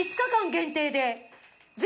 限定で。